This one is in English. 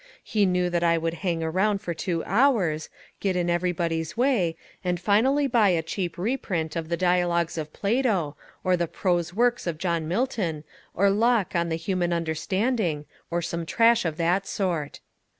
He knew that I would hang around for two hours, get in everybody's way, and finally buy a cheap reprint of the Dialogues of Plato, or the Prose Works of John Milton, or Locke on the Human Understanding, or some trash of that sort.